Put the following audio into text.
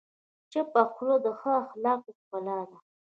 چپه خوله، د ښه اخلاقو ښکلا ده.